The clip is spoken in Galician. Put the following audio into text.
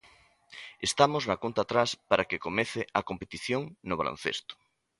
Estamos na conta atrás para que comece a competición no baloncesto.